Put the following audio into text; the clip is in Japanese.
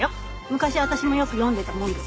昔私もよく読んでたもんです。